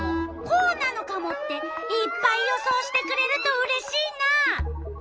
こうなのカモ？」っていっぱい予想してくれるとうれしいな！